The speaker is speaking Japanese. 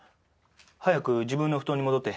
早く自分の布団に戻って。